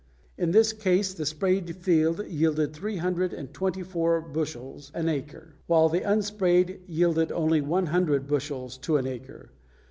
In this case the sprayed field yielded three hundred and twenty four bushels an acre, while the unsprayed yielded only one hundred bushels to an acre.